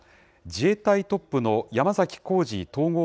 自衛隊トップの山崎幸二統合